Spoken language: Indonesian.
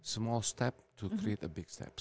kita bisa membuat langkah besar